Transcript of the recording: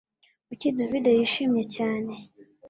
Kuki David yishimye cyane